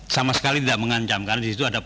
sama sekali tidak mengancamkan